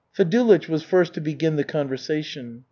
Fedulych was first to begin the conversation.